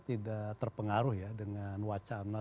tidak terpengaruh ya dengan wacana